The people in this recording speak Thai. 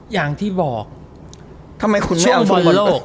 อย่างที่บอกช่วงบนโลก